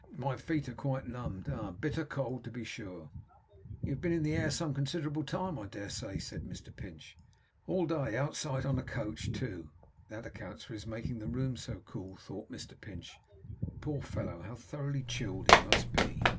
'My feet are quite numbed. Ah! Bitter cold to be sure.' 'You have been in the air some considerable time, I dare say?' said Mr Pinch. 'All day. Outside a coach, too.' 'That accounts for his making the room so cool,' thought Mr Pinch. 'Poor fellow! How thoroughly chilled he must be!